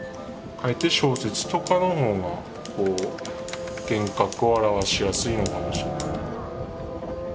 かえって小説とかの方が幻覚を表しやすいのかもしれない。